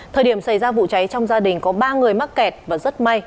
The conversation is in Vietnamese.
thời điểm xảy ra vụ cháy trong gia đình có ba người mắc kẹt và rất may